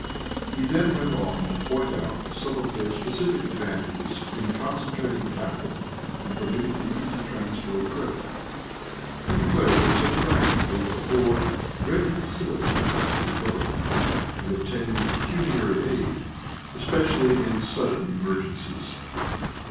He then went on to point out some of their specific advantages in concentrating capital and permitting the easy transfer of credit. He declared that such a bank would afford "greater facility to the government, in obtaining pecuniary aid, especially in sudden emergencies."